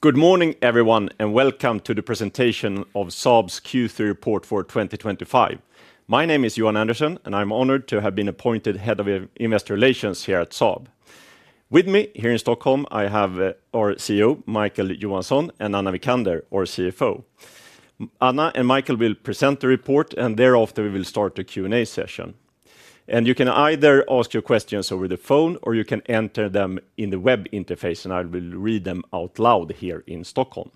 Good morning, everyone, and welcome to the presentation of SaaB's Q3 report for 2025. My name is Johan Andersson, and I'm honored to have been appointed Head of Investor Relations here at SaaB. With me here in Stockholm, I have our CEO, Micael Johansson, and Anna Wijkander, our CFO. Anna and Micael will present the report, and thereafter we will start the Q&A session. You can either ask your questions over the phone, or you can enter them in the web interface, and I will read them out loud here in Stockholm.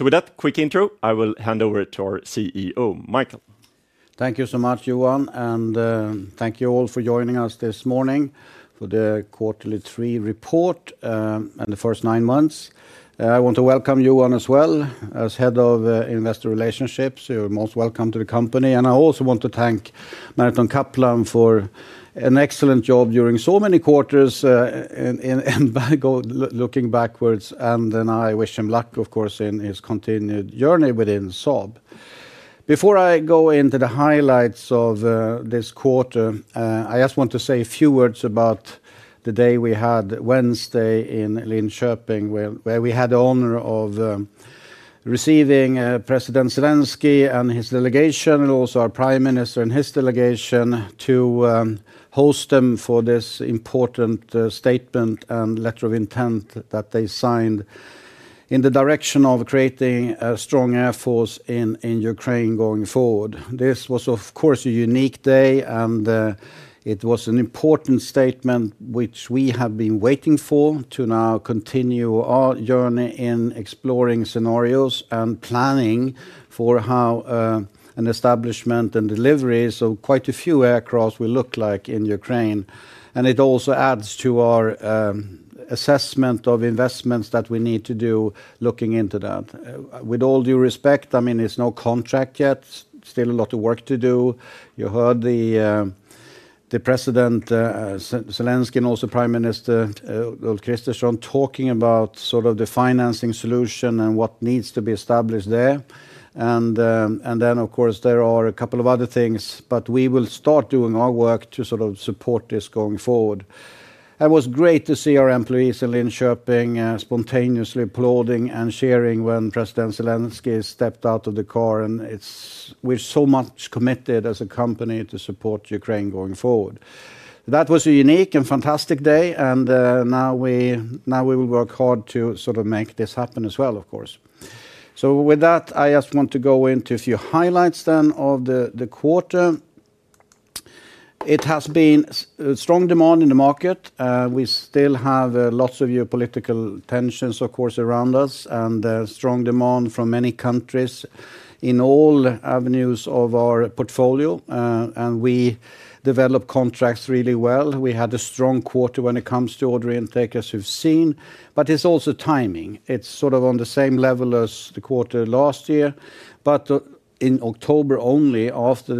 With that quick intro, I will hand over to our CEO, Micael. Thank you so much, Johan, and thank you all for joining us this morning for the Q3 report and the first nine months. I want to welcome Johan as well as Head of Investor Relationships. You're most welcome to the company, and I also want to thank Merton Kaplan for an excellent job during so many quarters. Looking backwards, I wish him luck, of course, in his continued journey within SaaB. Before I go into the highlights of this quarter, I just want to say a few words about the day we had Wednesday in Linköping, where we had the honor of receiving President Zelensky and his delegation, and also our Prime Minister and his delegation, to host them for this important statement and letter of intent that they signed in the direction of creating a strong air force in Ukraine going forward. This was, of course, a unique day, and it was an important statement which we have been waiting for to now continue our journey in exploring scenarios and planning for how an establishment and delivery of quite a few aircraft will look like in Ukraine. It also adds to our assessment of investments that we need to do, looking into that. With all due respect, it's no contract yet. Still a lot of work to do. You heard President Zelensky and also Prime Minister Lena Eliasson talking about the financing solution and what needs to be established there. There are a couple of other things, but we will start doing our work to support this going forward. It was great to see our employees in Linköping spontaneously applauding and cheering when President Zelensky stepped out of the car, and we're so much committed as a company to support Ukraine going forward. That was a unique and fantastic day, and now we will work hard to make this happen as well, of course. With that, I just want to go into a few highlights then of the quarter. It has been strong demand in the market. We still have lots of geopolitical tensions, of course, around us, and strong demand from many countries in all avenues of our portfolio, and we developed contracts really well. We had a strong quarter when it comes to order intake, as we've seen, but it's also timing. It's on the same level as the quarter last year, but in October only, after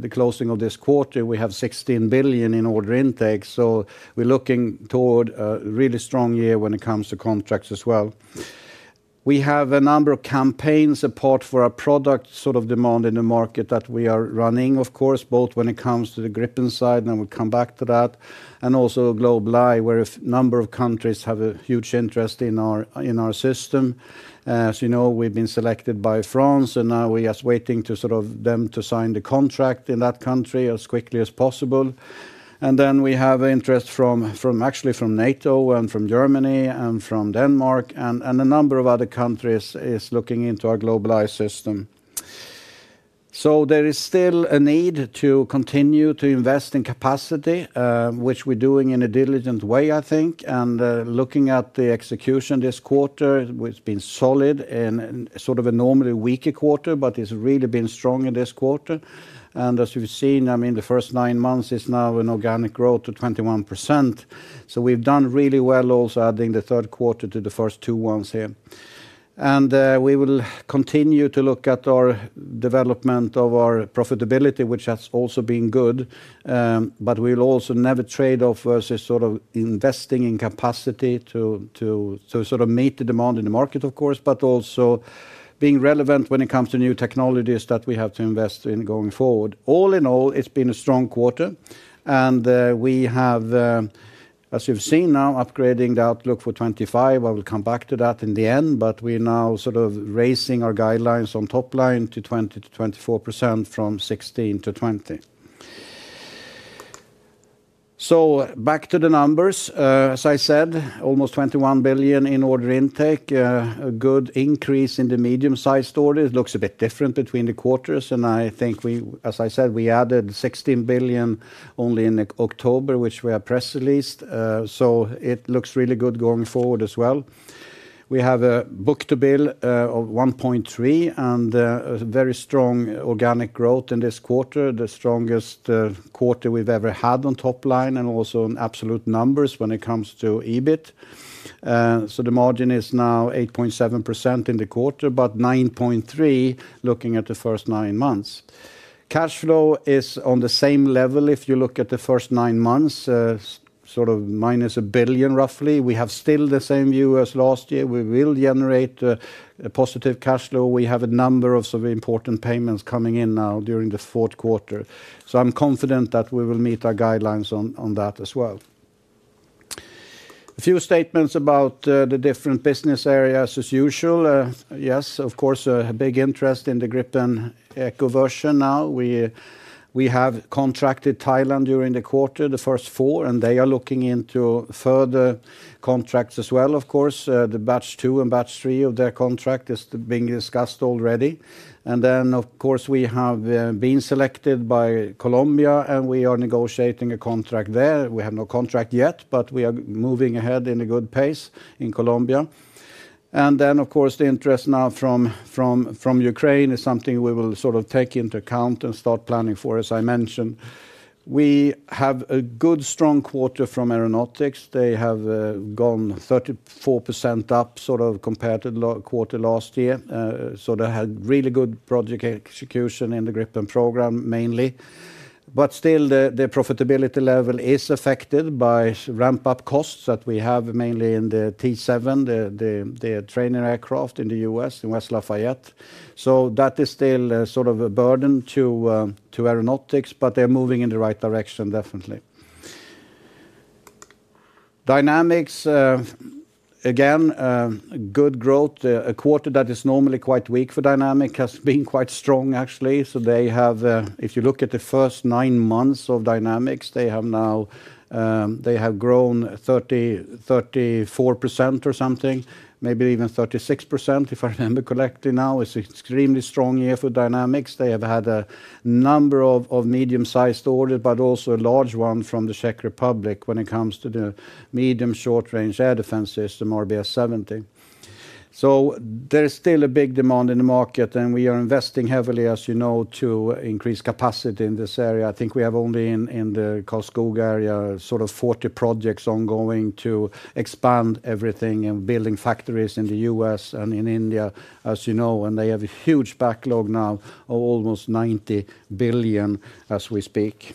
the closing of this quarter, we have 16 billion in order intake. We're looking toward a really strong year when it comes to contracts as well. We have a number of campaigns apart for our product sort of demand in the market that we are running, of course, both when it comes to the Gripen side, and we'll come back to that, and also GlobalEye, where a number of countries have a huge interest in our system. As you know, we've been selected by France, and now we're just waiting for them to sign the contract in that country as quickly as possible. We have interest from actually NATO and from Germany and from Denmark, and a number of other countries are looking into our GlobalEye system. There is still a need to continue to invest in capacity, which we're doing in a diligent way, I think, and looking at the execution this quarter, it's been solid in sort of a normally weak quarter, but it's really been strong in this quarter. As we've seen, the first nine months is now an organic growth of 21%. We've done really well also adding the third quarter to the first two ones here. We will continue to look at our development of our profitability, which has also been good, but we will also never trade off versus sort of investing in capacity to sort of meet the demand in the market, of course, but also being relevant when it comes to new technologies that we have to invest in going forward. All in all, it's been a strong quarter, and we have, as you've seen now, upgrading the outlook for 2025. I will come back to that in the end, but we're now sort of raising our guidelines on top line to 20%-24% from 16%-20%. Back to the numbers. As I said, almost 21 billion in order intake, a good increase in the medium-sized orders. It looks a bit different between the quarters, and I think we, as I said, we added 16 billion only in October, which we have press released. It looks really good going forward as well. We have a book-to-bill of 1.3, and a very strong organic growth in this quarter, the strongest quarter we've ever had on top line, and also in absolute numbers when it comes to EBIT. The margin is now 8.7% in the quarter, but 9.3% looking at the first nine months. Cash flow is on the same level if you look at the first nine months, sort of minus 1 billion roughly. We have still the same view as last year. We will generate a positive cash flow. We have a number of important payments coming in now during the fourth quarter. I'm confident that we will meet our guidelines on that as well. A few statements about the different business areas as usual. Yes, of course, a big interest in the Gripen E/F version now. We have contracted Thailand during the quarter, the first four, and they are looking into further contracts as well, of course. The batch two and batch three of their contract is being discussed already. Of course, we have been selected by Colombia, and we are negotiating a contract there. We have no contract yet, but we are moving ahead at a good pace in Colombia. The interest now from Ukraine is something we will sort of take into account and start planning for, as I mentioned. We have a good strong quarter from Aeronautics. They have gone 34% up compared to the quarter last year. They had really good project execution in the Gripen program mainly, but still, the profitability level is affected by ramp-up costs that we have mainly in the T7, the trainer aircraft in the U.S., in West Lafayette. That is still sort of a burden to Aeronautics, but they're moving in the right direction, definitely. Dynamics, again, good growth. A quarter that is normally quite weak for Dynamics has been quite strong, actually. If you look at the first nine months of Dynamics, they have now grown 34% or something, maybe even 36%, if I remember correctly now. It's an extremely strong year for Dynamics. They have had a number of medium-sized orders, but also a large one from the Czech Republic when it comes to the medium short-range air defense system, RBS 70. There is still a big demand in the market, and we are investing heavily, as you know, to increase capacity in this area. I think we have only in the Costco area sort of 40 projects ongoing to expand everything and building factories in the U.S. and in India, as you know, and they have a huge backlog now of almost 90 billion as we speak.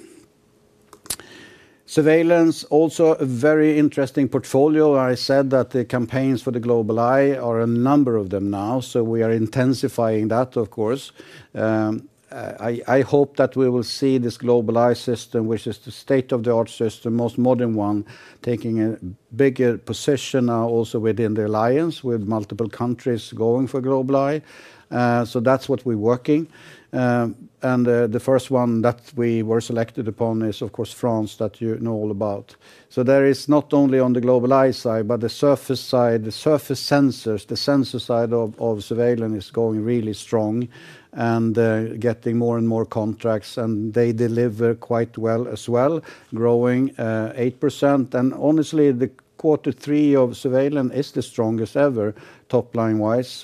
Surveillance, also a very interesting portfolio. I said that the campaigns for the GlobalEye are a number of them now, so we are intensifying that, of course. I hope that we will see this GlobalEye system, which is the state-of-the-art system, most modern one, taking a bigger position now also within the alliance with multiple countries going for GlobalEye. That is what we're working. The first one that we were selected upon is, of course, France that you know all about. There is not only on the GlobalEye side, but the surface side, the surface sensors, the sensor side of Surveillance is going really strong and getting more and more contracts, and they deliver quite well as well, growing 8%. Honestly, the quarter three of Surveillance is the strongest ever top line-wise.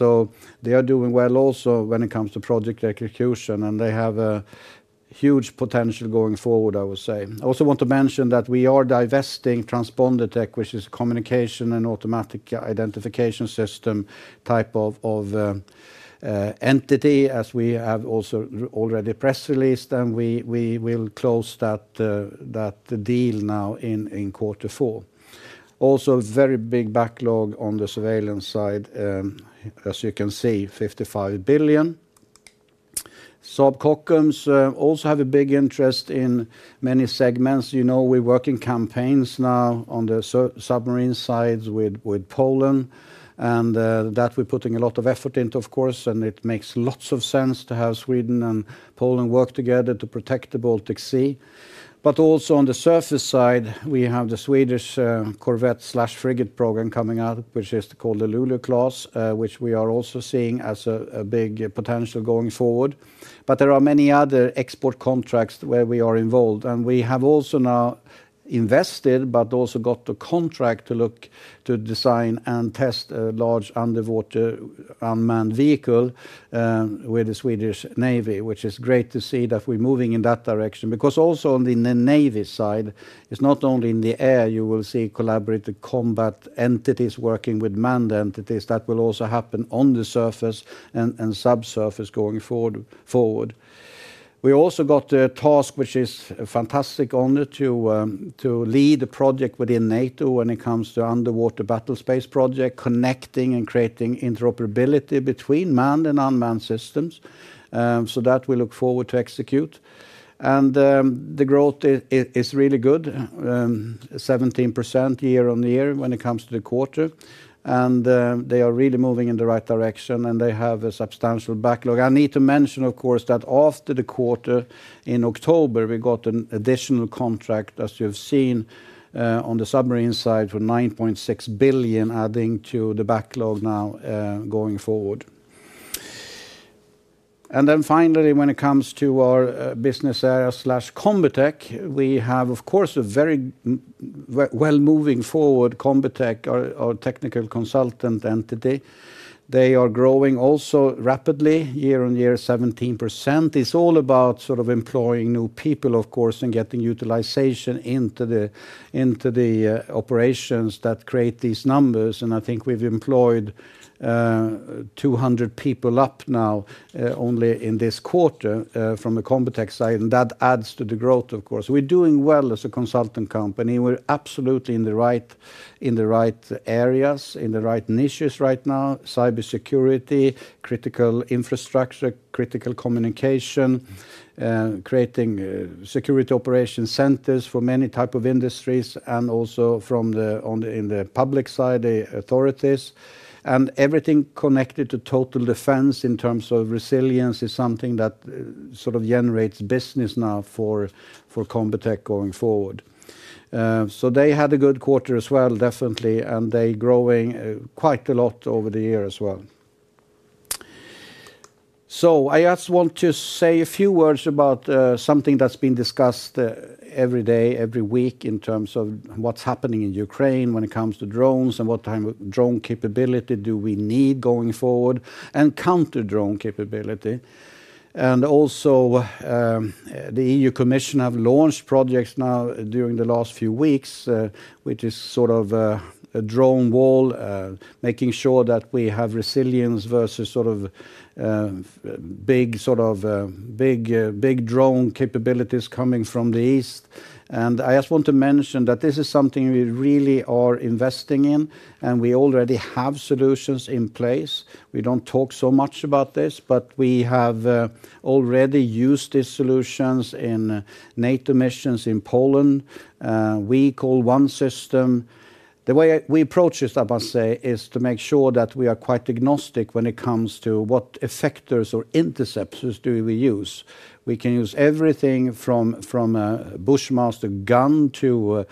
They are doing well also when it comes to project execution, and they have a huge potential going forward, I would say. I also want to mention that we are divesting TransponderTech, which is a communication and automatic identification system type of entity, as we have also already press released, and we will close that deal now in quarter four. Also, a very big backlog on the Surveillance side, as you can see, 55 billion. SaaB Kockums also have a big interest in many segments. You know, we're working campaigns now on the submarine sides with Poland, and that we're putting a lot of effort into, of course, and it makes lots of sense to have Sweden and Poland work together to protect the Baltic Sea. Also on the surface side, we have the Swedish corvette/frigate program coming out, which is called the Luleå class, which we are also seeing as a big potential going forward. There are many other export contracts where we are involved, and we have also now invested, but also got a contract to look to design and test a large underwater unmanned vehicle with the Swedish Navy, which is great to see that we're moving in that direction. Also on the Navy side, it's not only in the air you will see collaborative combat entities working with manned entities. That will also happen on the surface and subsurface going forward. We also got a task, which is a fantastic honor, to lead a project within NATO when it comes to underwater battlespace project, connecting and creating interoperability between manned and unmanned systems. We look forward to execute that. The growth is really good, 17% year on year when it comes to the quarter, and they are really moving in the right direction, and they have a substantial backlog. I need to mention, of course, that after the quarter in October, we got an additional contract, as you've seen, on the submarine side for 9.6 billion, adding to the backlog now going forward. Finally, when it comes to our business area/combat tech, we have, of course, a very well moving forward combat tech, our technical consultant entity. They are growing also rapidly, year on year, 17%. It's all about sort of employing new people, of course, and getting utilization into the operations that create these numbers. I think we've employed 200 people up now only in this quarter from the combat tech side, and that adds to the growth, of course. We're doing well as a consultant company. We're absolutely in the right areas, in the right niches right now: cybersecurity, critical infrastructure, critical communication, creating security operation centers for many types of industries, and also on the public side, the authorities. Everything connected to total defense in terms of resilience is something that sort of generates business now for combat tech going forward. They had a good quarter as well, definitely, and they're growing quite a lot over the year as well. I just want to say a few words about something that's been discussed every day, every week in terms of what's happening in Ukraine when it comes to drones and what type of drone capability do we need going forward and counter drone capability. Also, the EU Commission has launched projects now during the last few weeks, which is sort of a drone wall, making sure that we have resilience versus sort of big drone capabilities coming from the east. I just want to mention that this is something we really are investing in, and we already have solutions in place. We don't talk so much about this, but we have already used these solutions in NATO missions in Poland. We call one system. The way we approach this, I must say, is to make sure that we are quite agnostic when it comes to what effectors or interceptors do we use. We can use everything from a Bushmaster gun to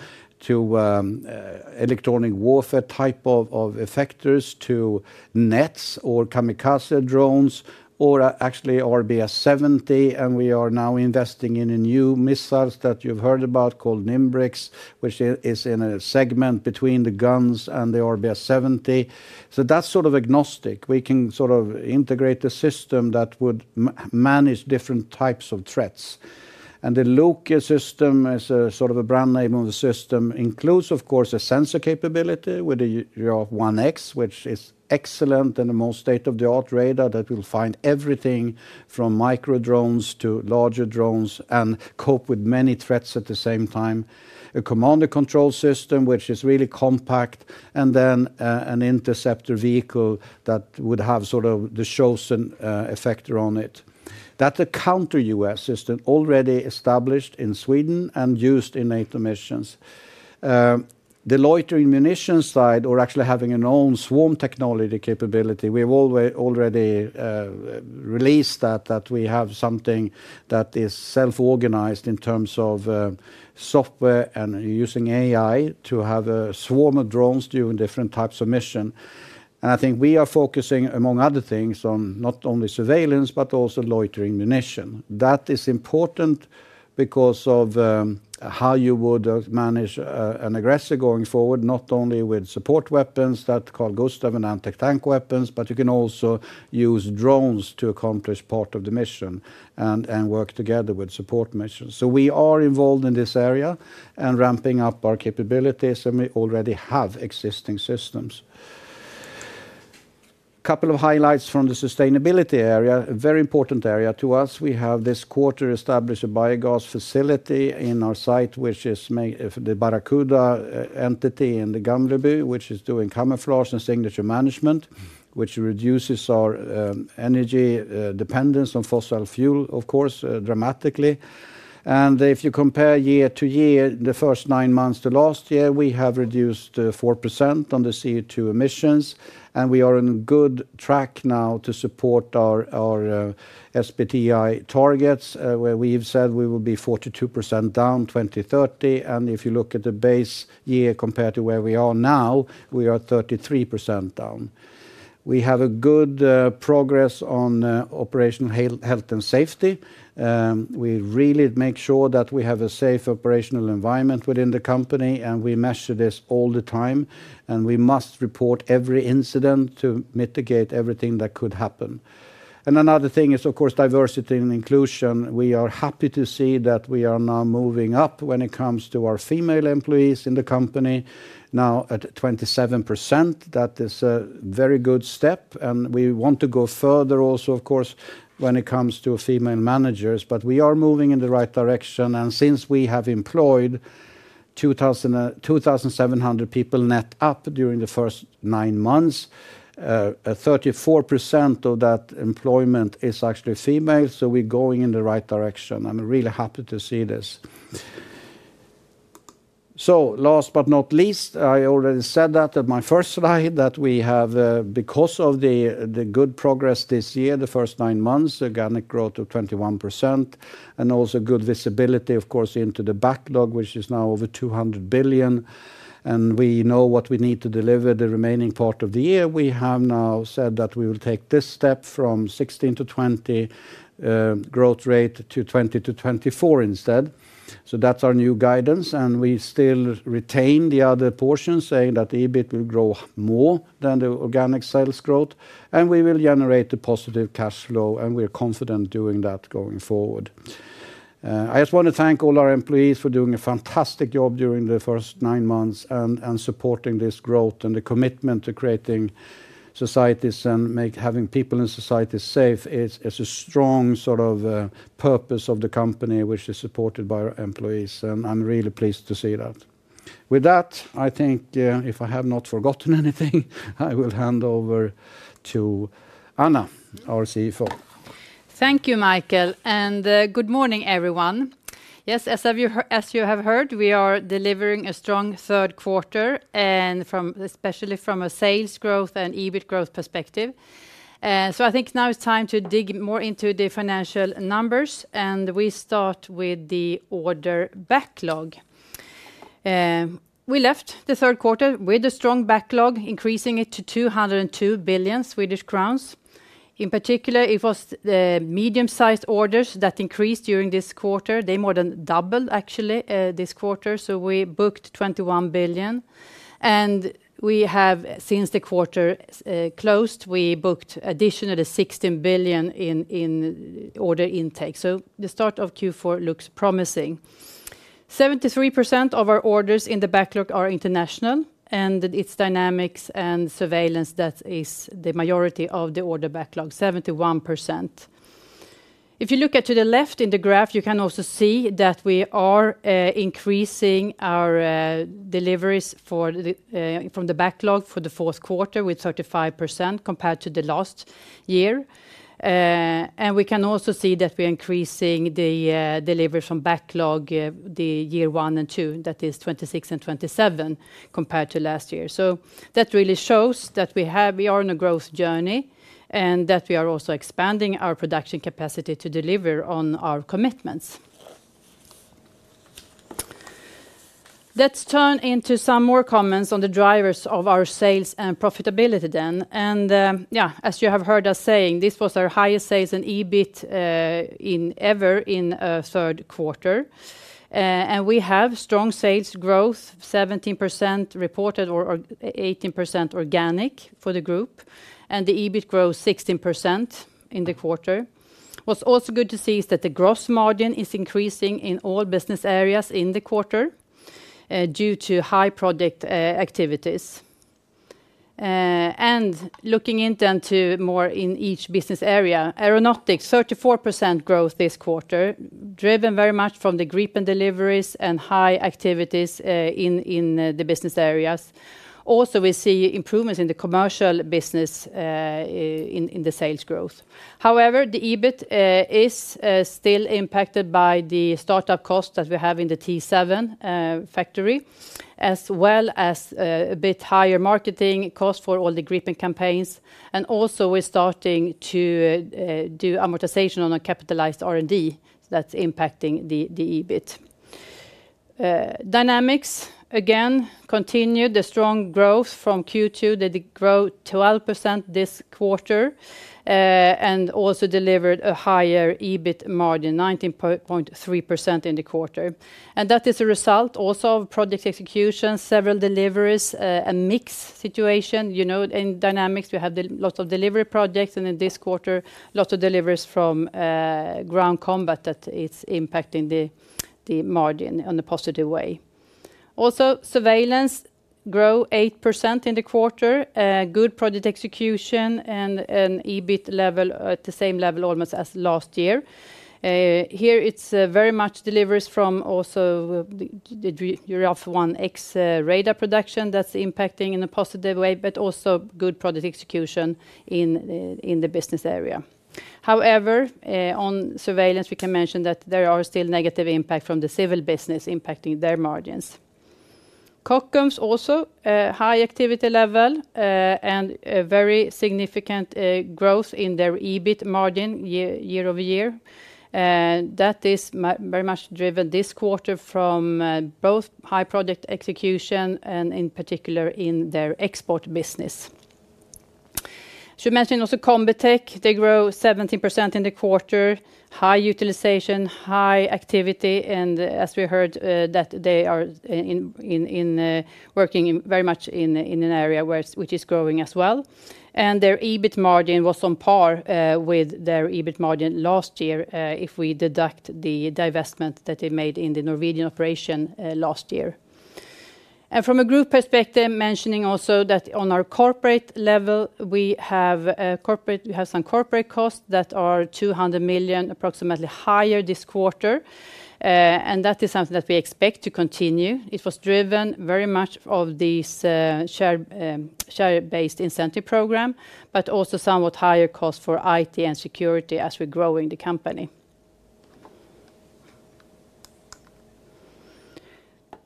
electronic warfare type of effectors to nets or kamikaze drones or actually RBS 70. We are now investing in new missiles that you've heard about called Nimbrics, which is in a segment between the guns and the RBS 70. That's sort of agnostic. We can sort of integrate the system that would manage different types of threats. The LUCA system, as a sort of a brand name of the system, includes, of course, a sensor capability with the One X, which is excellent and the most state-of-the-art radar that will find everything from micro drones to larger drones and cope with many threats at the same time. A command and control system, which is really compact, and then an interceptor vehicle that would have sort of the chosen effector on it. That's a counter-UAS system already established in Sweden and used in NATO missions. The loitering munitions side, or actually having an own swarm technology capability, we've already released that, that we have something that is self-organized in terms of software and using AI to have a swarm of drones during different types of mission. I think we are focusing, among other things, on not only surveillance, but also loitering munition. That is important because of how you would manage an aggressor going forward, not only with support weapons that are called Gustav and anti-tank weapons, but you can also use drones to accomplish part of the mission and work together with support missions. We are involved in this area and ramping up our capabilities, and we already have existing systems. A couple of highlights from the sustainability area, a very important area to us. We have this quarter established a biogas facility in our site, which is the Barracuda entity in the Gamleby, which is doing camouflage and signature management, which reduces our energy dependence on fossil fuel, of course, dramatically. If you compare year to year, the first nine months to last year, we have reduced 4% on the CO2 emissions, and we are on a good track now to support our SBTI targets, where we've said we will be 42% down 2030. If you look at the base year compared to where we are now, we are 33% down. We have good progress on operational health and safety. We really make sure that we have a safe operational environment within the company, and we measure this all the time, and we must report every incident to mitigate everything that could happen. Another thing is, of course, diversity and inclusion. We are happy to see that we are now moving up when it comes to our female employees in the company now at 27%. That is a very good step, and we want to go further also, of course, when it comes to female managers, but we are moving in the right direction. Since we have employed 2,700 people net up during the first nine months, 34% of that employment is actually female, so we're going in the right direction. I'm really happy to see this. Last but not least, I already said that at my first slide that we have, because of the good progress this year, the first nine months, organic growth of 21%, and also good visibility, of course, into the backlog, which is now over 200 billion. We know what we need to deliver the remaining part of the year. We have now said that we will take this step from 16%-20% growth rate to 20%-24% instead. That's our new guidance, and we still retain the other portion saying that EBIT will grow more than the organic sales growth, and we will generate a positive cash flow, and we're confident doing that going forward. I just want to thank all our employees for doing a fantastic job during the first nine months and supporting this growth and the commitment to creating societies and having people in societies safe. It's a strong sort of purpose of the company, which is supported by our employees, and I'm really pleased to see that. With that, I think if I have not forgotten anything, I will hand over to Anna, our CFO. Thank you, Micael, and good morning, everyone. Yes, as you have heard, we are delivering a strong third quarter, especially from a sales growth and EBIT growth perspective. I think now it's time to dig more into the financial numbers, and we start with the order backlog. We left the third quarter with a strong backlog, increasing it to 202 billion Swedish crowns. In particular, it was the medium-sized orders that increased during this quarter. They more than doubled, actually, this quarter, so we booked 21 billion. We have, since the quarter closed, booked an additional 16 billion in order intake. The start of Q4 looks promising. 73% of our orders in the backlog are international, and it's Dynamics and Surveillance that is the majority of the order backlog, 71%. If you look at the left in the graph, you can also see that we are increasing our deliveries from the backlog for the fourth quarter with 35% compared to last year. We can also see that we're increasing the delivery from backlog in year one and two, that is 2026 and 2027, compared to last year. That really shows that we are on a growth journey and that we are also expanding our production capacity to deliver on our commitments. Let's turn into some more comments on the drivers of our sales and profitability then. As you have heard us saying, this was our highest sales and EBIT ever in a third quarter. We have strong sales growth, 17% reported or 18% organic for the group, and the EBIT grows 16% in the quarter. What's also good to see is that the gross margin is increasing in all business areas in the quarter due to high project activities. Looking into more in each business area, Aeronautics, 34% growth this quarter, driven very much from the Gripen deliveries and high activities in the business areas. Also, we see improvements in the commercial business in the sales growth. However, the EBIT is still impacted by the startup costs that we have in the T7 factory, as well as a bit higher marketing costs for all the Gripen campaigns. We're starting to do amortization on a capitalized R&D that's impacting the EBIT. Dynamics, again, continued the strong growth from Q2. They grow 12% this quarter and also delivered a higher EBIT margin, 19.3% in the quarter. That is a result also of project execution, several deliveries, a mixed situation. You know, in Dynamics, we have lots of delivery projects, and in this quarter, lots of deliveries from ground combat that are impacting the margin in a positive way. Also, Surveillance grows 8% in the quarter, good project execution, and an EBIT level at the same level almost as last year. Here, it's very much deliveries from also the URAF 1X radar production that's impacting in a positive way, but also good project execution in the business area. However, on Surveillance, we can mention that there are still negative impacts from the civil business impacting their margins. Kockums also, high activity level and very significant growth in their EBIT margin year over year. That is very much driven this quarter from both high project execution and in particular in their export business. Should mention also Combitech, they grow 17% in the quarter, high utilization, high activity, and as we heard that they are working very much in an area which is growing as well. Their EBIT margin was on par with their EBIT margin last year if we deduct the divestment that they made in the Norwegian operation last year. From a group perspective, mentioning also that on our corporate level, we have some corporate costs that are $200 million approximately higher this quarter. That is something that we expect to continue. It was driven very much of this share-based incentive program, but also somewhat higher costs for IT and security as we're growing the company.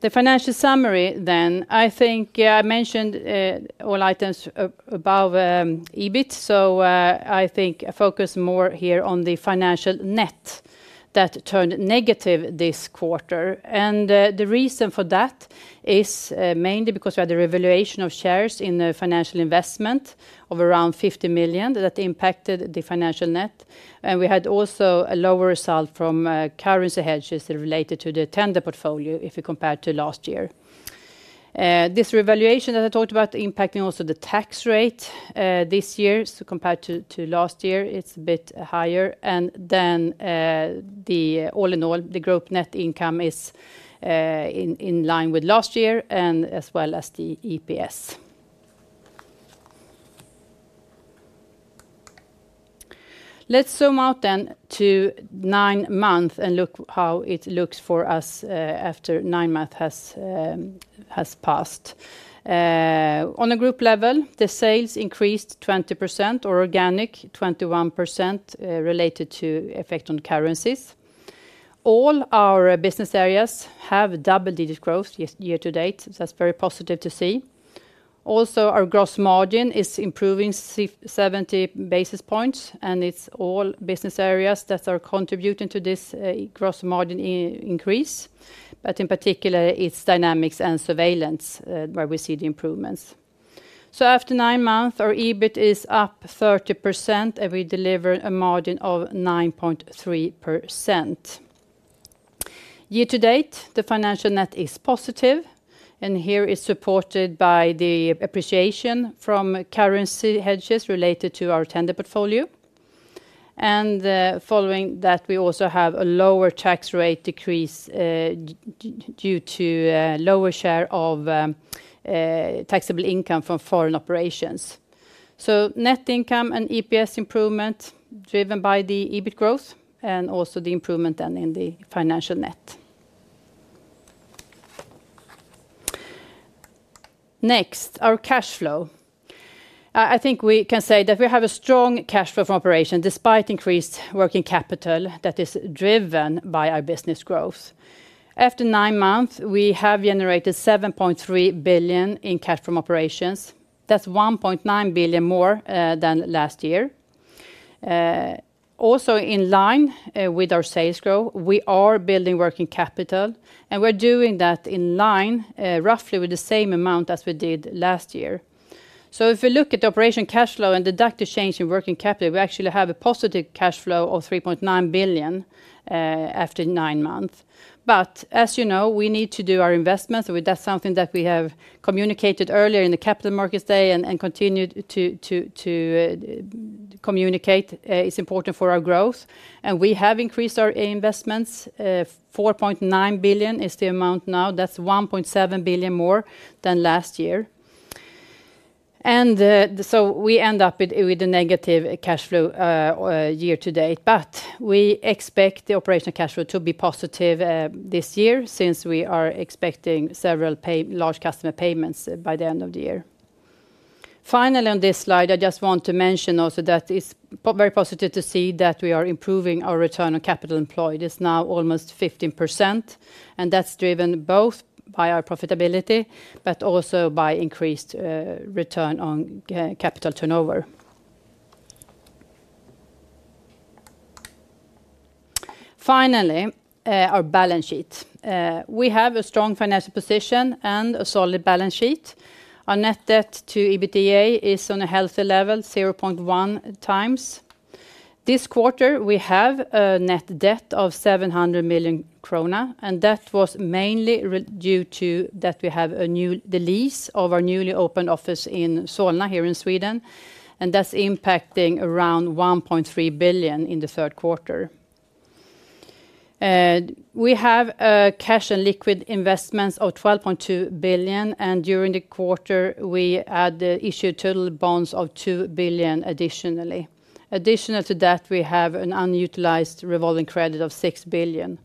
The financial summary then, I think I mentioned all items above EBIT. I think I focus more here on the financial net that turned negative this quarter. The reason for that is mainly because we had a revaluation of shares in the financial investment of around $50 million that impacted the financial net. We had also a lower result from currency hedges related to the tender portfolio if we compare to last year. This revaluation that I talked about impacted also the tax rate this year. Compared to last year, it's a bit higher. All in all, the gross net income is in line with last year and as well as the EPS. Let's zoom out then to nine months and look how it looks for us after nine months has passed. On a group level, the sales increased 20% or organic 21% related to effect on currencies. All our business areas have double-digit growth year to date. That's very positive to see. Also, our gross margin is improving 70 basis points, and it's all business areas that are contributing to this gross margin increase. In particular, it's Dynamics and Surveillance where we see the improvements. After nine months, our EBIT is up 30% and we deliver a margin of 9.3%. Year to date, the financial net is positive, and here it's supported by the appreciation from currency hedges related to our tender portfolio. Following that, we also have a lower tax rate decrease due to a lower share of taxable income from foreign operations. Net income and EPS improvement are driven by the EBIT growth and also the improvement in the financial net. Next, our cash flow. I think we can say that we have a strong cash flow from operations despite increased working capital that is driven by our business growth. After nine months, we have generated 7.3 billion in cash from operations. That's 1.9 billion more than last year. In line with our sales growth, we are building working capital, and we're doing that in line roughly with the same amount as we did last year. If we look at operation cash flow and deduct the change in working capital, we actually have a positive cash flow of 3.9 billion after nine months. We need to do our investments. That's something that we have communicated earlier in the Capital Markets Day and continue to communicate. It's important for our growth, and we have increased our investments. 4.9 billion is the amount now. That's 1.7 billion more than last year. We end up with a negative cash flow year to date, but we expect the operational cash flow to be positive this year since we are expecting several large customer payments by the end of the year. Finally, on this slide, I just want to mention also that it's very positive to see that we are improving our return on capital employed. It's now almost 15%, and that's driven both by our profitability, but also by increased return on capital turnover. Finally, our balance sheet. We have a strong financial position and a solid balance sheet. Our net debt to EBITDA is on a healthy level, 0.1 times. This quarter, we have a net debt of 700 million krona, and that was mainly due to that we have a new lease of our newly opened office in Solna here in Sweden, and that's impacting around 1.3 billion in the third quarter. We have cash and liquid investments of 12.2 billion, and during the quarter, we issued total bonds of 2 billion additionally. Additionally to that, we have an unutilized revolving credit of 6 billion.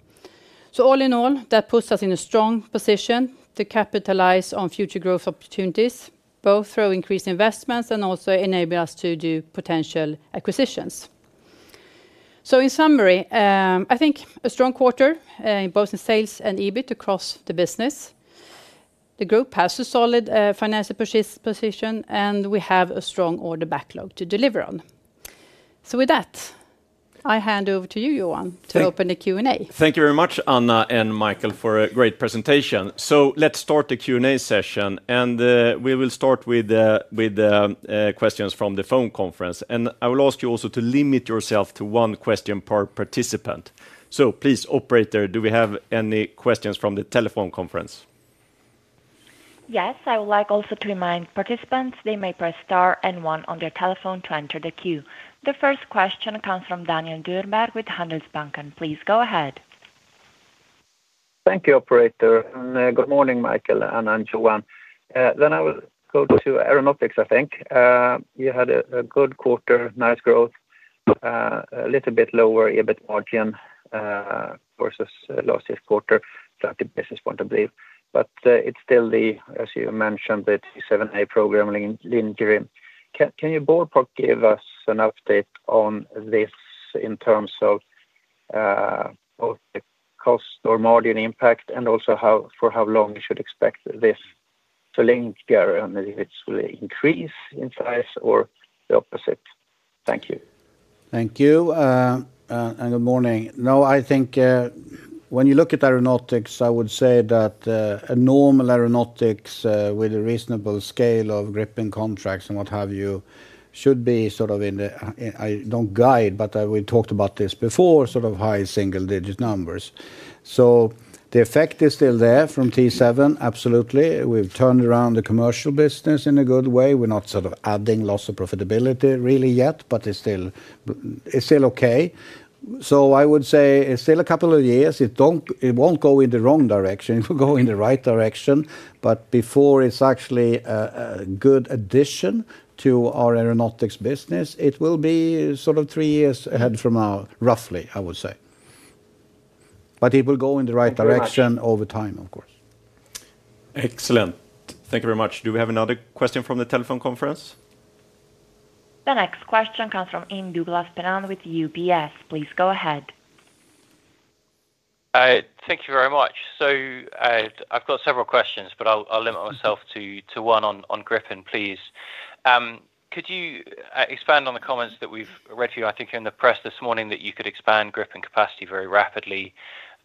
All in all, that puts us in a strong position to capitalize on future growth opportunities, both through increased investments and also enabling us to do potential acquisitions. In summary, I think a strong quarter in both sales and EBIT across the business. The group has a solid financial position, and we have a strong order backlog to deliver on. With that, I hand over to you, Johan, to open the Q&A. Thank you very much, Anna and Micael, for a great presentation. Let's start the Q&A session. We will start with questions from the phone conference. I will ask you also to limit yourself to one question per participant. Please, operator, do we have any questions from the telephone conference? Yes, I would like also to remind participants they may press star and one on their telephone to enter the queue. The first question comes from Daniel Djurberg with Handelsbanken. Please go ahead. Thank you, operator, and good morning, Micael, and I'm Johan. I will go to Aeronautics, I think. You had a good quarter, nice growth, a little bit lower EBIT margin versus last year's quarter, 30 basis points, I believe. It's still the, as you mentioned, the 7A program, Lynchirim. Can you ballpark give us an update on this in terms of both the cost or margin impact and also for how long you should expect this to linger and if it's going to increase in size or the opposite? Thank you. Thank you, and good morning. I think when you look at Aeronautics, I would say that a normal Aeronautics with a reasonable scale of Gripen contracts and what have you should be sort of in the, I don't guide, but we talked about this before, sort of high single-digit numbers. The effect is still there from T7, absolutely. We've turned around the commercial business in a good way. We're not adding lots of profitability really yet, but it's still okay. I would say it's still a couple of years. It won't go in the wrong direction. It will go in the right direction. Before it's actually a good addition to our Aeronautics business, it will be sort of three years ahead from now, roughly, I would say. It will go in the right direction over time, of course. Excellent. Thank you very much. Do we have another question from the telephone conference? The next question comes from Yassin Moktadir with UBS. Please go ahead. Thank you very much. I've got several questions, but I'll limit myself to one on Gripen, please. Could you expand on the comments that we've read for you? I think in the press this morning that you could expand Gripen capacity very rapidly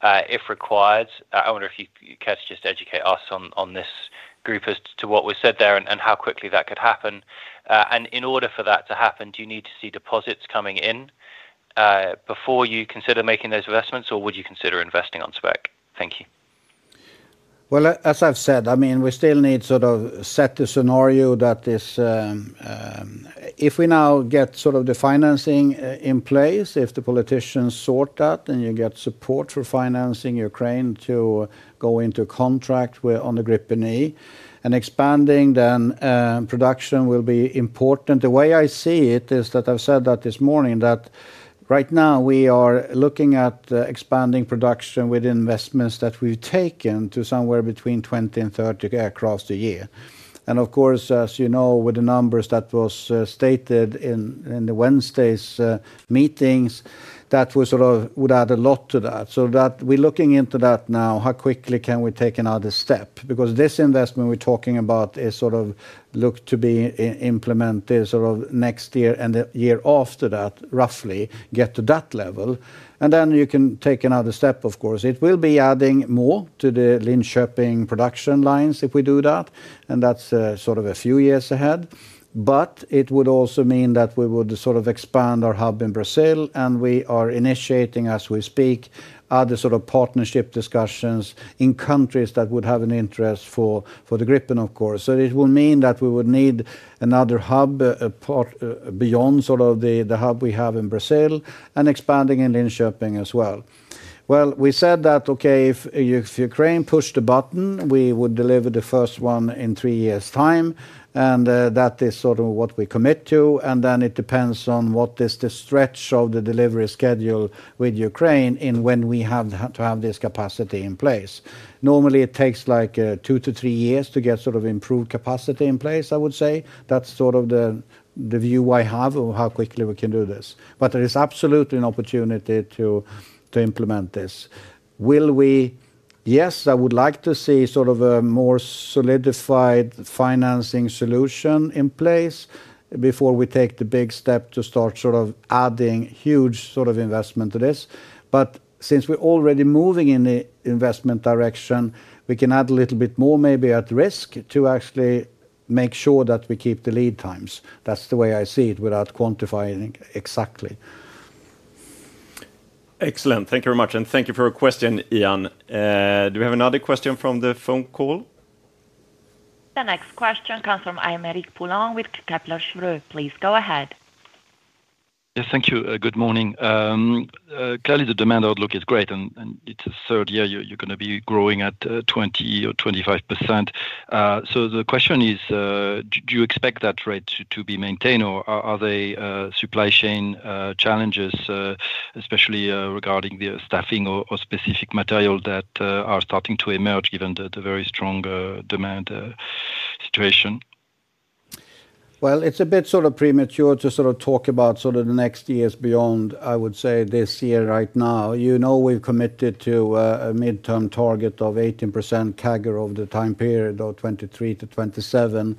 if required. I wonder if you could just educate us on this group as to what was said there and how quickly that could happen. In order for that to happen, do you need to see deposits coming in before you consider making those investments, or would you consider investing on spec? Thank you. As I've said, we still need to sort of set the scenario that if we now get the financing in place, if the politicians sort that and you get support for financing Ukraine to go into contract on the Gripen and expanding, then production will be important. The way I see it is that I've said this morning that right now we are looking at expanding production with investments that we've taken to somewhere between 20 and 30 aircraft a year. Of course, as you know, with the numbers that were stated in Wednesday's meetings, that would add a lot to that. We're looking into that now. How quickly can we take another step? This investment we're talking about is sort of looked to be implemented next year and the year after that, roughly, to get to that level. You can take another step, of course. It will be adding more to the Linköping production lines if we do that. That's a few years ahead. It would also mean that we would expand our hub in Brazil, and we are initiating, as we speak, other partnership discussions in countries that would have an interest for the Gripen, of course. It will mean that we would need another hub beyond the hub we have in Brazil and expanding in Linköping as well. We said that if Ukraine pushed the button, we would deliver the first one in three years' time. That is what we commit to. Then it depends on what is the stretch of the delivery schedule with Ukraine in when we have to have this capacity in place. Normally, it takes like two to three years to get improved capacity in place, I would say. That's the view I have of how quickly we can do this. There is absolutely an opportunity to implement this. Will we? Yes, I would like to see a more solidified financing solution in place before we take the big step to start adding huge investment to this. Since we're already moving in the investment direction, we can add a little bit more, maybe at risk, to actually make sure that we keep the lead times. That's the way I see it without quantifying exactly. Excellent. Thank you very much. Thank you for your question, Yan. Do we have another question from the phone call? The next question comes from Aymeric Poulain with Kepler Cheuvreux. Please go ahead. Yes, thank you. Good morning. Clearly, the demand outlook is great, and it's a third year. You're going to be growing at 20% or 25%. The question is, do you expect that rate to be maintained, or are there supply chain challenges, especially regarding the staffing or specific material that are starting to emerge, given the very strong demand situation? It's a bit sort of premature to talk about the next years beyond, I would say, this year right now. You know, we've committed to a midterm target of 18% CAGR over the time period of 2023 to 2027.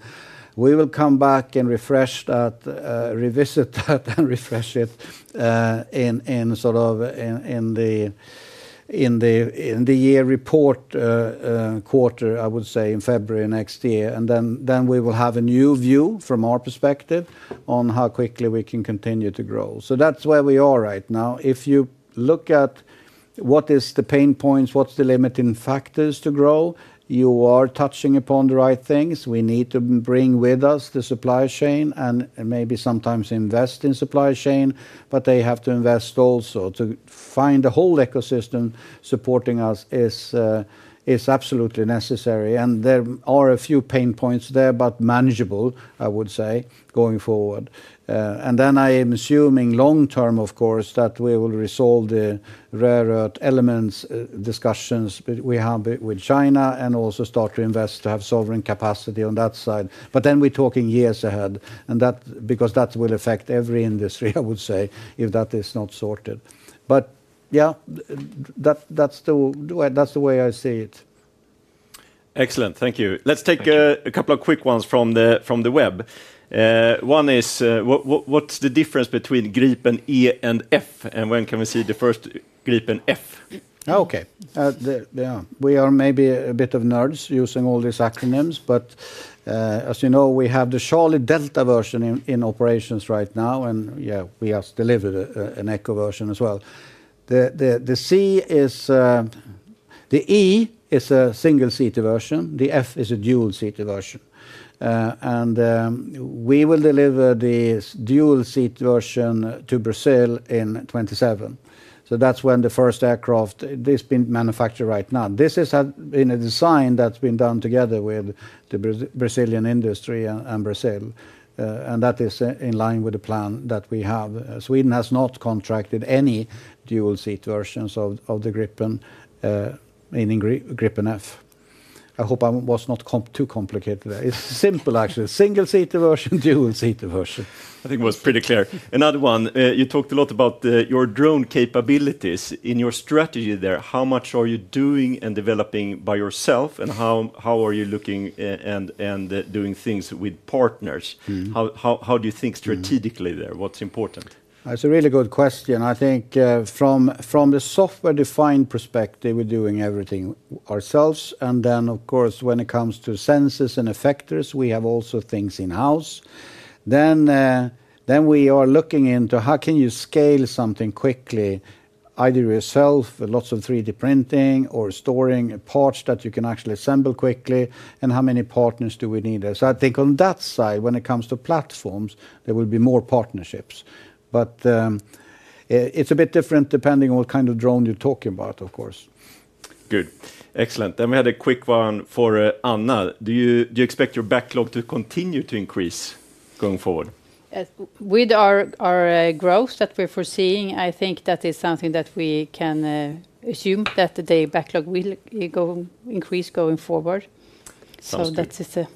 We will come back and refresh that, revisit that, and refresh it in the year report quarter, I would say, in February next year. We will have a new view from our perspective on how quickly we can continue to grow. That's where we are right now. If you look at what are the pain points, what are the limiting factors to grow, you are touching upon the right things. We need to bring with us the supply chain and maybe sometimes invest in supply chain, but they have to invest also to find the whole ecosystem supporting us is absolutely necessary. There are a few pain points there, but manageable, I would say, going forward. I am assuming long term, of course, that we will resolve the rare earth elements discussions we have with China and also start to invest to have sovereign capacity on that side. We're talking years ahead, and that's because that will affect every industry, I would say, if that is not sorted. That's the way I see it. Excellent. Thank you. Let's take a couple of quick ones from the web. One is, what's the difference between Gripen E/F, and when can we see the first Gripen F? Oh, okay. Yeah, we are maybe a bit of nerds using all these acronyms, but as you know, we have the Charlie Delta version in operations right now, and yeah, we have delivered an E version as well. The E is a single seater version. The F is a dual seater version. We will deliver the dual seat version to Brazil in 2027. That's when the first aircraft is being manufactured right now. This has been a design that's been done together with the Brazilian industry and Brazil, and that is in line with the plan that we have. Sweden has not contracted any dual seat versions of the Gripen, meaning Gripen F. I hope I was not too complicated. It's simple, actually. Single seater version, dual seater version. I think it was pretty clear. Another one, you talked a lot about your drone capabilities in your strategy there. How much are you doing and developing by yourself, and how are you looking and doing things with partners? How do you think strategically there? What's important? That's a really good question. I think from the software-defined perspective, we're doing everything ourselves. Of course, when it comes to sensors and effectors, we have also things in-house. We are looking into how you can scale something quickly, either yourself, lots of 3D printing, or storing a part that you can actually assemble quickly, and how many partners do we need there? I think on that side, when it comes to platforms, there will be more partnerships. It's a bit different depending on what kind of drone you're talking about, of course. Good. Excellent. We had a quick one for Anna. Do you expect your backlog to continue to increase going forward? With our growth that we're foreseeing, I think that is something that we can assume that the order backlog will increase going forward. That's it.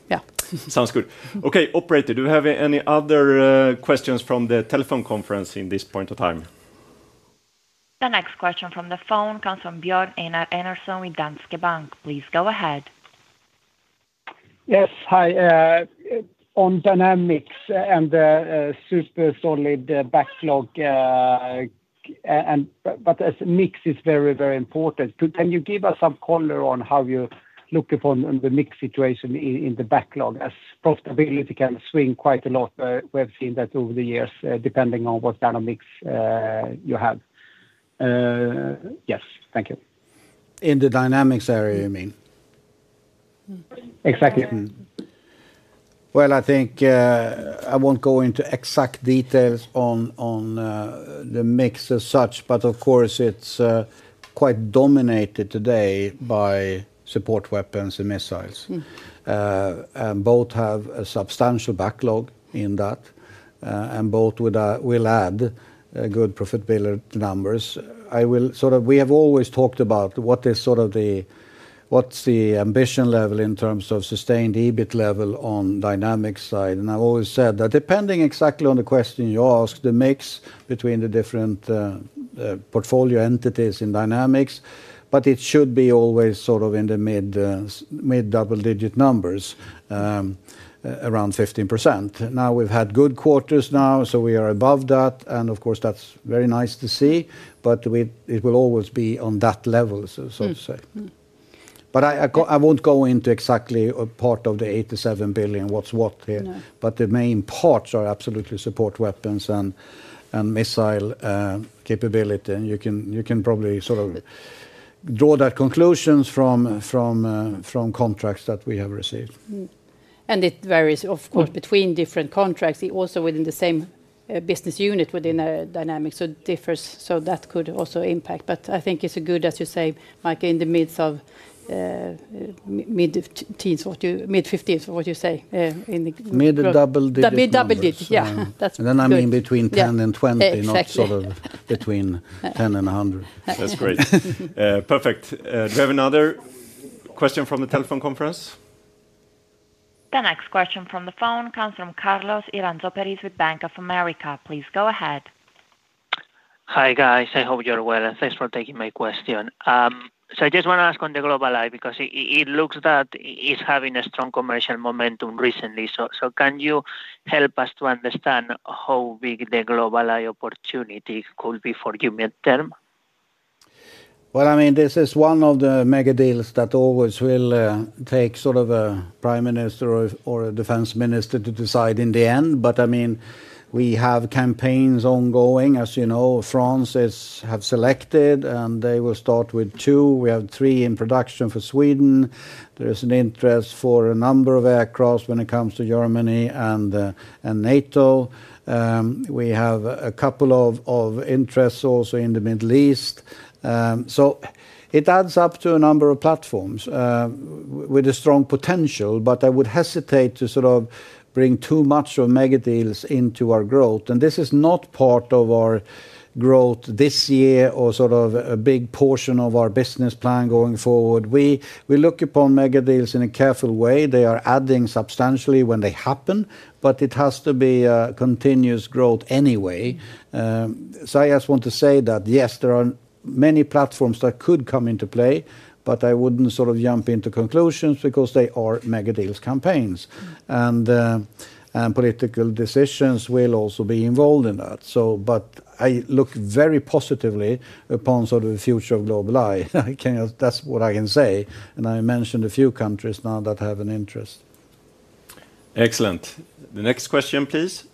Sounds good. Okay, operator, do we have any other questions from the telephone conference at this point in time? The next question from the phone comes from Björn Einar Enarsson with Danske Bank. Please go ahead. Yes, hi. On Dynamics and the super solid backlog, as the mix is very, very important, can you give us some color on how you look upon the mix situation in the backlog as profitability can swing quite a lot? We have seen that over the years depending on what kind of mix you have. Yes, thank you. In the Dynamics area, you mean? Exactly. I think I won't go into exact details on the mix as such, but of course, it's quite dominated today by support weapons and missiles. Both have a substantial backlog in that, and both will add good profitability numbers. We have always talked about what is the ambition level in terms of sustained EBIT level on the Dynamics side. I've always said that depending exactly on the question you ask, the mix between the different portfolio entities in Dynamics, but it should always be in the mid double-digit numbers, around 15%. Now we've had good quarters now, so we are above that, and of course, that's very nice to see, but it will always be on that level, so to say. I won't go into exactly a part of the 87 billion, what's what here, but the main parts are absolutely support weapons and missile capability. You can probably draw that conclusion from contracts that we have received. It varies, of course, between different contracts, also within the same business unit within Dynamics, so it differs. That could also impact, but I think it's a good, as you say, Mike, in the mids, mid-teens, mid-fifties, what you say. Mid double digit. The mid double-digit, yeah. I mean between 10 and 20, not sort of between 10 and 100. That's great. Perfect. Do we have another question from the telephone conference? The next question from the phone comes from Carlos Iranzo Peris with Bank of America Securities. Please go ahead. Hi guys, I hope you're well and thanks for taking my question. I just want to ask on the GlobalEye because it looks that it's having a strong commercial momentum recently. Can you help us to understand how big the GlobalEye opportunity could be for you mid-term? This is one of the mega deals that always will take sort of a Prime Minister or a Defense Minister to decide in the end. We have campaigns ongoing, as you know, France has selected, and they will start with two. We have three in production for Sweden. There is an interest for a number of aircraft when it comes to Germany and NATO. We have a couple of interests also in the Middle East. It adds up to a number of platforms with a strong potential, but I would hesitate to bring too much of mega deals into our growth. This is not part of our growth this year or a big portion of our business plan going forward. We look upon mega deals in a careful way. They are adding substantially when they happen, but it has to be a continuous growth anyway. I just want to say that yes, there are many platforms that could come into play, but I wouldn't jump into conclusions because they are mega deals campaigns. Political decisions will also be involved in that. I look very positively upon the future of GlobalEye. That's what I can say. I mentioned a few countries now that have an interest. Excellent. The next question, please.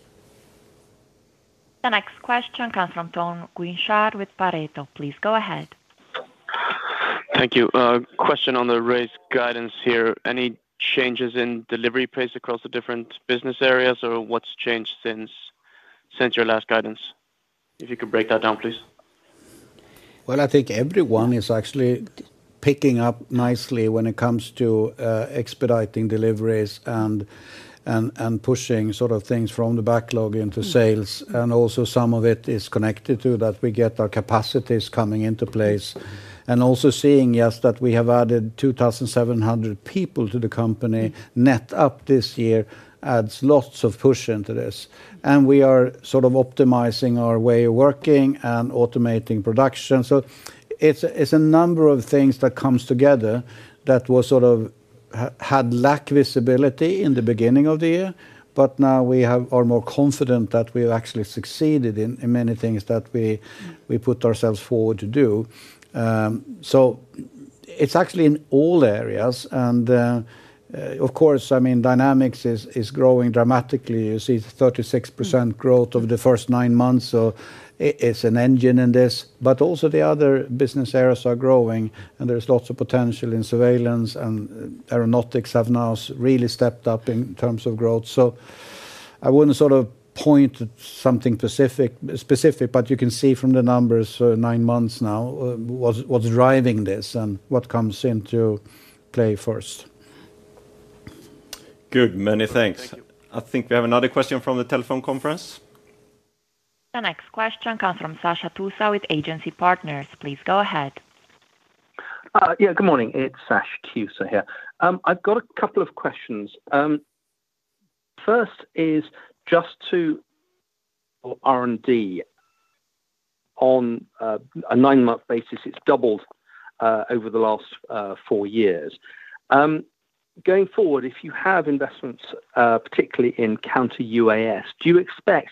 The next question comes from Tom Guinchard with Pareto Securities AS. Please go ahead. Thank you. Question on the raise guidance here. Any changes in delivery pace across the different business areas or what's changed since your last guidance? If you could break that down, please. I think everyone is actually picking up nicely when it comes to expediting deliveries and pushing things from the backlog into sales. Also, some of it is connected to that we get our capacities coming into place. Yes, we have added 2,700 people to the company net up this year, which adds lots of push into this. We are optimizing our way of working and automating production. It's a number of things that come together that had lacked visibility in the beginning of the year, but now we are more confident that we've actually succeeded in many things that we put ourselves forward to do. It's actually in all areas. Of course, Dynamics is growing dramatically. You see 36% growth over the first nine months. It's an engine in this. The other business areas are growing, and there's lots of potential in Surveillance. Aeronautics have now really stepped up in terms of growth. I wouldn't point to something specific, but you can see from the numbers for nine months now what's driving this and what comes into play first. Good. Many thanks. I think we have another question from the telephone conference. The next question comes from Sash Tusa with Agency Partners LLP. Please go ahead. Yeah, good morning. It's Sash Tusa here. I've got a couple of questions. First is just to R&D on a nine-month basis. It's doubled over the last four years. Going forward, if you have investments, particularly in counter-UAS, do you expect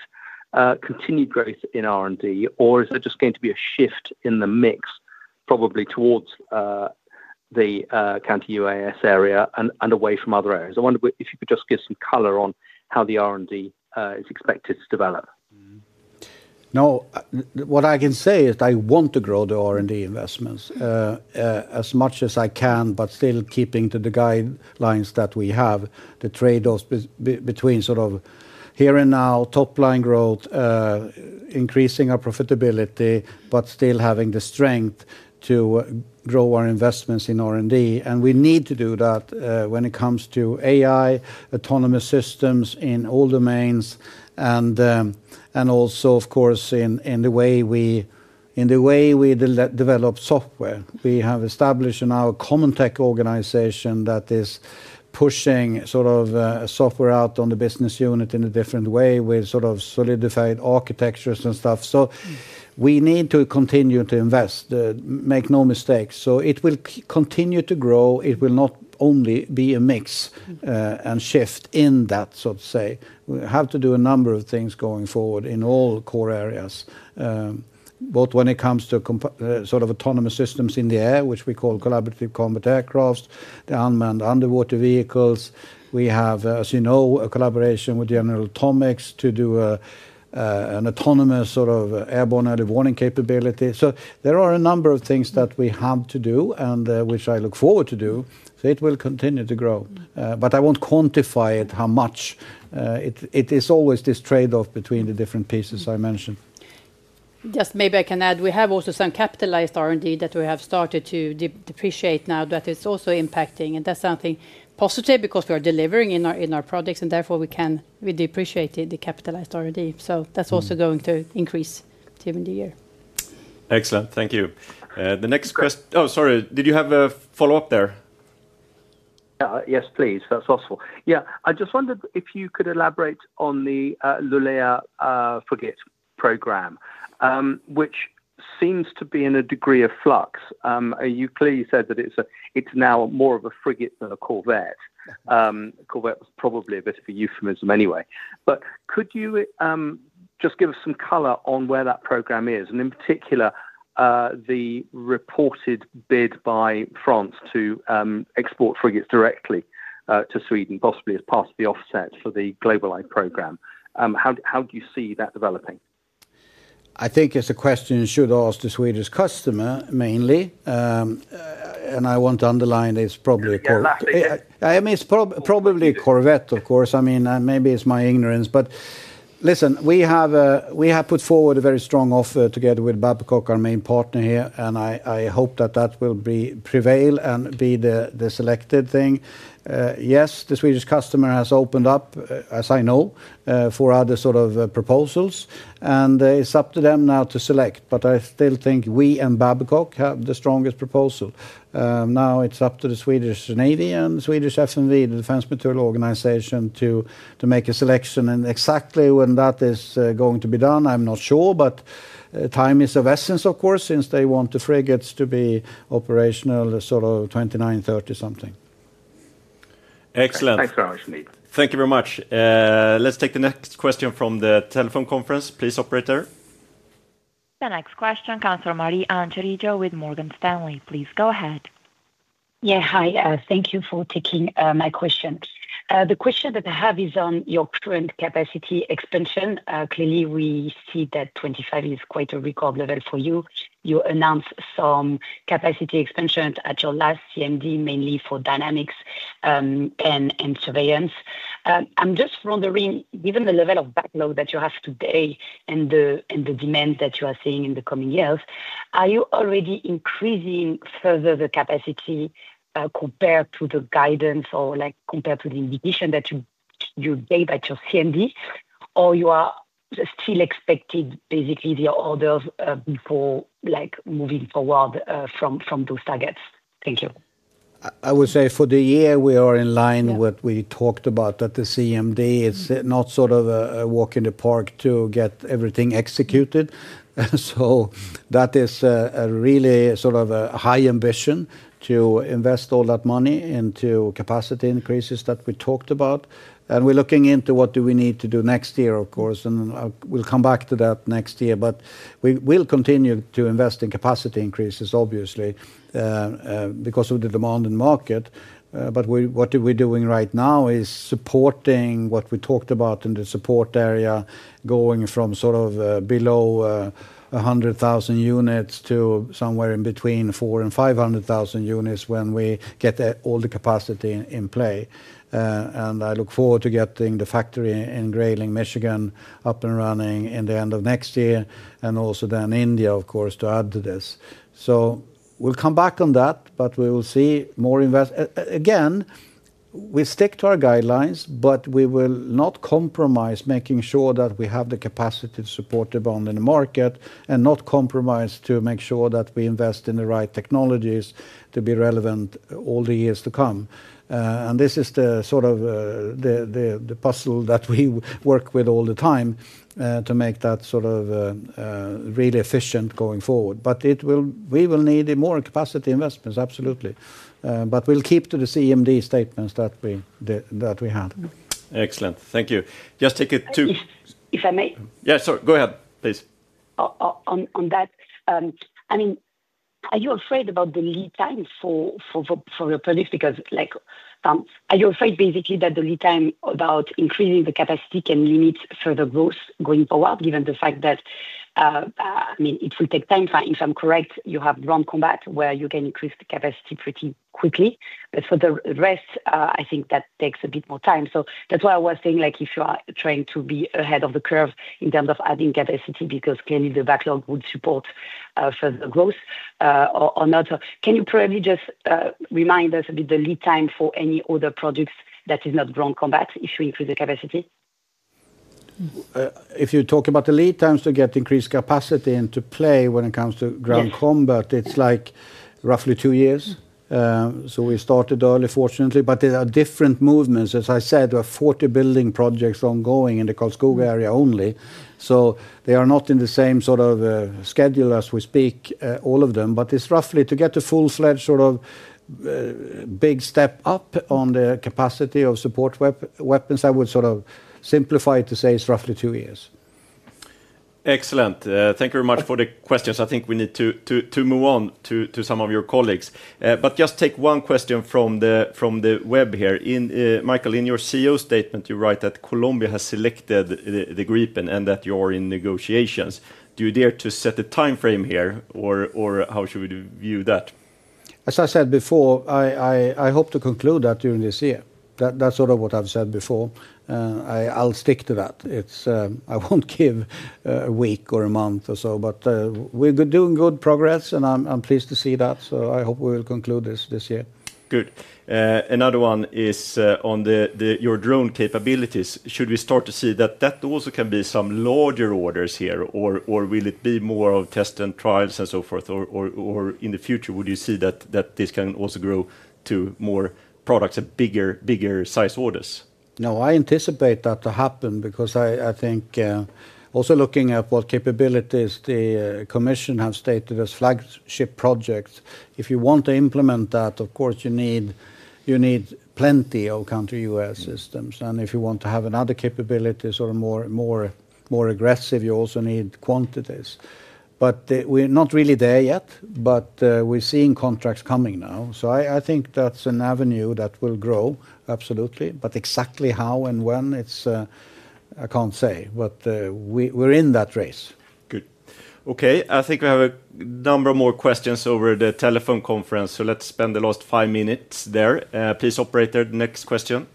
continued growth in R&D, or is there just going to be a shift in the mix probably towards the counter-UAS area and away from other areas? I wonder if you could just give some color on how the R&D is expected to develop. No, what I can say is that I want to grow the R&D investments as much as I can, but still keeping to the guidelines that we have, the trade-offs between sort of here and now, top line growth, increasing our profitability, but still having the strength to grow our investments in R&D. We need to do that when it comes to AI-driven autonomous systems in all domains, and also, of course, in the way we develop software. We have established in our common tech organization that is pushing software out on the business unit in a different way with solidified architectures and stuff. We need to continue to invest, make no mistakes. It will continue to grow. It will not only be a mix and shift in that, so to say. We have to do a number of things going forward in all core areas, both when it comes to autonomous systems in the air, which we call collaborative combat aircraft, the unmanned underwater vehicles. We have, as you know, a collaboration with General Atomics to do an autonomous airborne early warning capability. There are a number of things that we have to do and which I look forward to do. It will continue to grow. I won't quantify it how much. It is always this trade-off between the different pieces I mentioned. Maybe I can add, we have also some capitalized R&D that we have started to depreciate now. That is also impacting, and that's something positive because we are delivering in our projects, and therefore we depreciate the capitalized R&D. That's also going to increase during the year. Excellent. Thank you. The next question, sorry, did you have a follow-up there? Yes, please. That's awesome. I just wondered if you could elaborate on the Lulea Frigate program, which seems to be in a degree of flux. You clearly said that it's now more of a frigate than a corvette. Corvette was probably a bit of a euphemism anyway. Could you just give us some color on where that program is? In particular, the reported bid by France to export frigates directly to Sweden, possibly as part of the offset for the GlobalEye program. How do you see that developing? I think it's a question you should ask to the Swedish customer mainly. I want to underline it's probably a corvette. It's probably a corvette, of course. Maybe it's my ignorance. Listen, we have put forward a very strong offer together with Babcock, our main partner here. I hope that will prevail and be the selected thing. The Swedish customer has opened up, as I know, for other sort of proposals. It's up to them now to select. I still think we and Babcock have the strongest proposal. Now it's up to the Swedish Navy and Swedish FMV, the Defense Material Organization, to make a selection. Exactly when that is going to be done, I'm not sure. Time is of essence, of course, since they want the frigates to be operational 2029, 2030 something. Excellent. Thanks. Thank you very much. Let's take the next question from the telephone conference. Please, operator. The next question comes from Marie Ancheridjo with Morgan Stanley. Please go ahead. Yeah, hi. Thank you for taking my question. The question that I have is on your current capacity expansion. Clearly, we see that 2025 is quite a record level for you. You announced some capacity expansion at your last CMD, mainly for Dynamics and Surveillance. I'm just wondering, given the level of backlog that you have today and the demand that you are seeing in the coming years, are you already increasing further the capacity compared to the guidance or compared to the indication that you gave at your CMD, or you are still expecting basically the orders before moving forward from those targets? Thank you. I would say for the year, we are in line with what we talked about, that the CMD is not sort of a walk in the park to get everything executed. That is really sort of a high ambition to invest all that money into capacity increases that we talked about. We're looking into what do we need to do next year, of course, and we'll come back to that next year. We will continue to invest in capacity increases, obviously because of the demand in the market. What we're doing right now is supporting what we talked about in the support area, going from sort of below 100,000 units to somewhere in between 400,000 and 500,000 units when we get all the capacity in play. I look forward to getting the factory in Grayling, Michigan, up and running in the end of next year, and also then India, of course, to add to this. We'll come back on that, but we will see more investment. Again, we stick to our guidelines, but we will not compromise making sure that we have the capacity to support the demand in the market and not compromise to make sure that we invest in the right technologies to be relevant all the years to come. This is the sort of the puzzle that we work with all the time to make that sort of really efficient going forward. We will need more capacity investments, absolutely. We'll keep to the CMD statements that we had. Excellent. Thank you. Just take it to. If I may. Sorry. Go ahead, please. On that, I mean, are you afraid about the lead time for your projects? Are you afraid basically that the lead time about increasing the capacity can limit further growth going forward, given the fact that it will take time? If I'm correct, you have ground combat where you can increase the capacity pretty quickly, but for the rest, I think that takes a bit more time. That's why I was saying if you are trying to be ahead of the curve in terms of adding capacity, because clearly the backlog would support further growth or not. Can you probably just remind us a bit the lead time for any other products that is not ground combat if you increase the capacity? If you're talking about the lead times to get increased capacity into play when it comes to ground combat, it's like roughly two years. We started early, fortunately. There are different movements. As I said, we have 40 building projects ongoing in the Cald Scoga area only. They are not in the same sort of schedule as we speak, all of them. It's roughly to get a full-fledged sort of big step up on the capacity of support weapons. I would sort of simplify it to say it's roughly two years. Excellent. Thank you very much for the questions. I think we need to move on to some of your colleagues. Just take one question from the web here. Micael, in your CEO statement, you write that Colombia has selected the Gripen and that you are in negotiations. Do you dare to set a timeframe here, or how should we view that? As I said before, I hope to conclude that during this year. That's sort of what I've said before. I'll stick to that. I won't give a week or a month or so. We're doing good progress, and I'm pleased to see that. I hope we will conclude this year. Good. Another one is on your drone capabilities. Should we start to see that that also can be some larger orders here, or will it be more of test and trials and so forth? In the future, would you see that this can also grow to more products and bigger size orders? No, I anticipate that to happen because I think also looking at what capabilities the commission has stated as flagship projects. If you want to implement that, of course, you need plenty of counter-UAS systems. If you want to have another capability, sort of more aggressive, you also need quantities. We're not really there yet, but we're seeing contracts coming now. I think that's an avenue that will grow, absolutely. Exactly how and when, I can't say. We're in that race. Good. Okay, I think we have a number of more questions over the telephone conference. Let's spend the last five minutes there. Please, operator, the next question.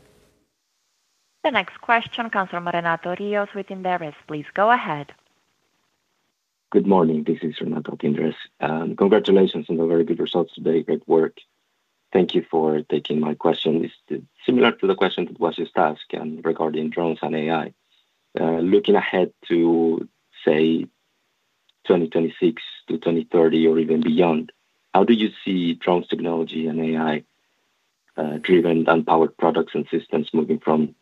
The next question comes from Renato Rios with Inderes. Please go ahead. Good morning. This is Renato with Inderes. Congratulations on the very good results today. Great work. Thank you for taking my question. It's similar to the question that was just asked regarding drones and AI. Looking ahead to, say, 2026 to 2030 or even beyond, how do you see drone technology and AI-driven and powered products and systems moving from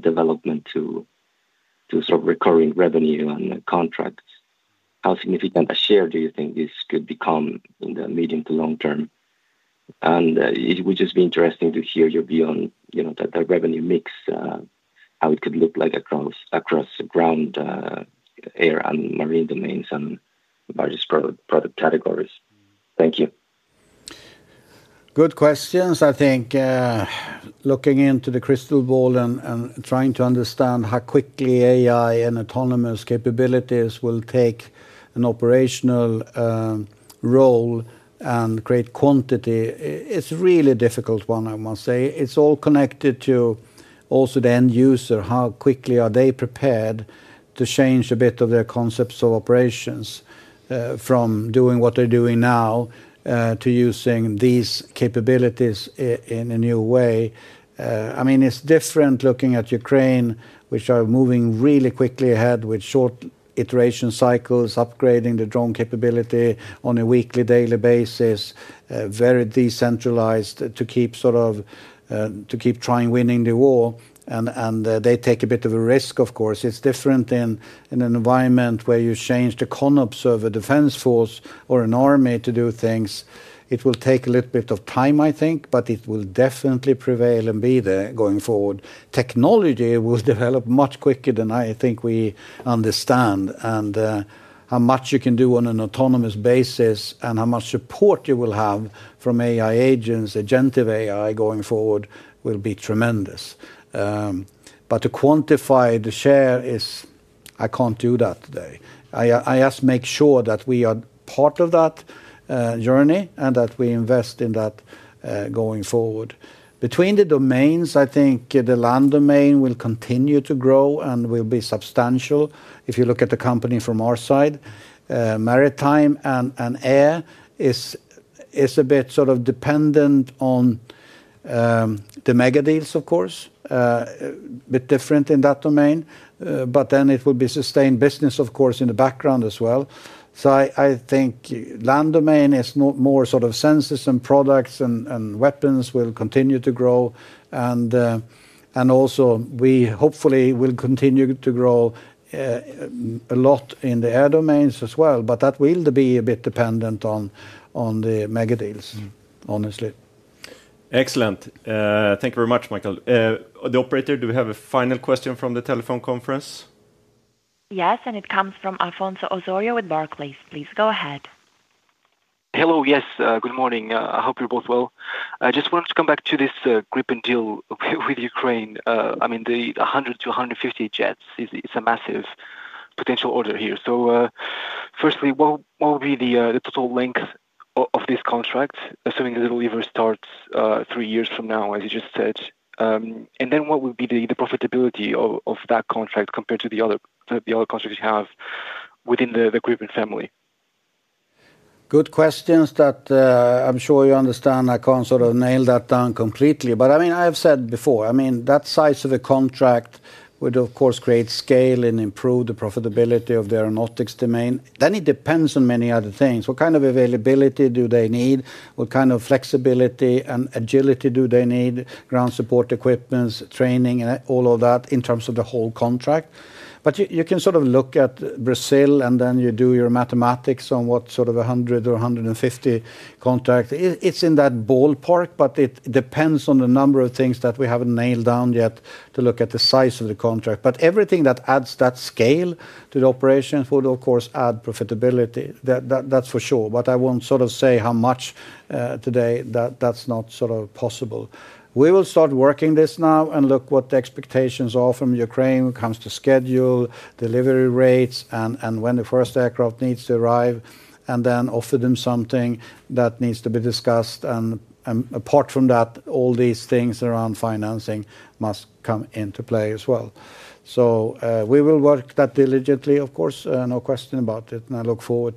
development to sort of recurring revenue and contracts? How significant a share do you think this could become in the medium to long term? It would just be interesting to hear your view on the revenue mix, how it could look like across the ground, air, and marine domains and various product categories. Thank you. Good questions. I think looking into the crystal ball and trying to understand how quickly AI and autonomous capabilities will take an operational role and create quantity is a really difficult one, I must say. It's all connected to also the end user. How quickly are they prepared to change a bit of their concepts of operations from doing what they're doing now to using these capabilities in a new way? I mean, it's different looking at Ukraine, which are moving really quickly ahead with short iteration cycles, upgrading the drone capability on a weekly, daily basis, very decentralized to keep sort of trying winning the war. They take a bit of a risk, of course. It's different in an environment where you change the concept of a defense force or an army to do things. It will take a little bit of time, I think, but it will definitely prevail and be there going forward. Technology will develop much quicker than I think we understand. How much you can do on an autonomous basis and how much support you will have from AI agents, agent of AI going forward, will be tremendous. To quantify the share is, I can't do that today. I just make sure that we are part of that journey and that we invest in that going forward. Between the domains, I think the land domain will continue to grow and will be substantial. If you look at the company from our side, maritime and air is a bit sort of dependent on the mega deals, of course, a bit different in that domain. There will be sustained business, of course, in the background as well. I think land domain is more sort of sensors and products and weapons will continue to grow. We hopefully will continue to grow a lot in the air domains as well. That will be a bit dependent on the mega deals, honestly. Excellent. Thank you very much, Micael. Operator, do we have a final question from the telephone conference? Yes, and it comes from Afonso Osório with Barclays. Please go ahead. Hello. Yes, good morning. I hope you're both well. I just wanted to come back to this Gripen deal with Ukraine. I mean, the 100 jets-150 jets, it's a massive potential order here. So firstly, what will be the total length of this contract, assuming that it will even start three years from now, as you just said? And then what will be the profitability of that contract compared to the other contracts you have within the Gripen family? Good questions that I'm sure you understand. I can't sort of nail that down completely. I have said before, I mean, that size of a contract would, of course, create scale and improve the profitability of the Aeronautics domain. It depends on many other things. What kind of availability do they need? What kind of flexibility and agility do they need? Ground support equipment, training, and all of that in terms of the whole contract. You can sort of look at Brazil and then you do your mathematics on what sort of 100 contracts-150 contracts. It's in that ballpark, but it depends on the number of things that we haven't nailed down yet to look at the size of the contract. Everything that adds that scale to the operations will, of course, add profitability. That's for sure. I won't sort of say how much today. That's not sort of possible. We will start working this now and look what the expectations are from Ukraine when it comes to schedule, delivery rates, and when the first aircraft needs to arrive, and then offer them something that needs to be discussed. Apart from that, all these things around financing must come into play as well. We will work that diligently, of course, no question about it. I look forward.